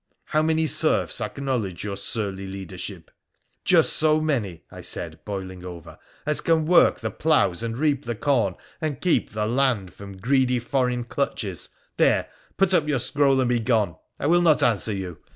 ' How many serfs acknowledge your surly leadership ?'' Just so many,' I said, boiling over, ' as can work tho ploughs and reap the corn, and keep the land from greedy PHRA THE PHCENICIAN 99 foreign clutches ! There, put up your scroll and begone. I will not answer you